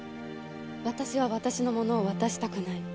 私は私のものを渡したくない。